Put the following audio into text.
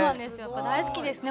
大好きですね